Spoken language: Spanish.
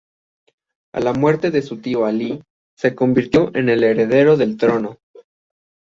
A la muerte de su tío Alí se convirtió en el heredero al trono.